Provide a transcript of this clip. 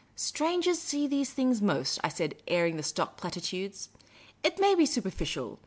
" Strangers see these things most," I said, airing the stock platitudes. " It may be superficial.